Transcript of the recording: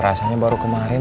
rasanya baru kemarin